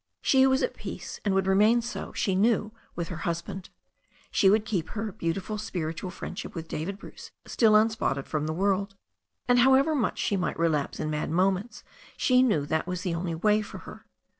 She was at peace and would remain so, she knew, with her husband. She would keep her "beautiful spiritual" friendship with David Bruce still unspotted from the world — and however much she might relapse in mad moments she knew that was the only way for her.